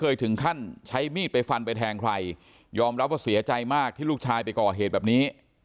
ยอมรับว่าเสียใจมากที่ลูกชายไปก่อเหตุแบบนี้